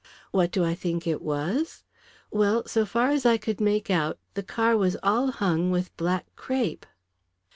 What do I think it was? Well, so far as I could make out, the car was all hung with black crape."